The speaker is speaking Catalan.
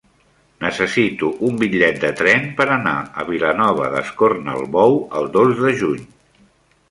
Necessito un bitllet de tren per anar a Vilanova d'Escornalbou el dos de juny.